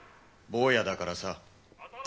坊やだからさ。